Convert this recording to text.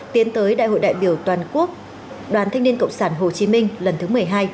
tiến tới đại hội đại biểu toàn quốc đoàn thanh niên cộng sản hồ chí minh lần thứ một mươi hai